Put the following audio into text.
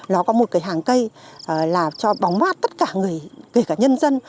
nó có một cái hàng cây là cho bóng mát tất cả người kể cả nhân dân